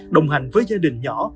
đồng hành với gia đình nhỏ